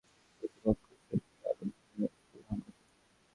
একপর্যায়ে সুরুজ মিয়ার লোকজন প্রতিপক্ষ শহিদ মিয়ার লোকজনের ওপর হামলা চালায়।